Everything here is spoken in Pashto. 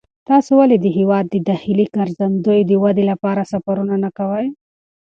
تاسې ولې د هېواد د داخلي ګرځندوی د ودې لپاره سفرونه نه کوئ؟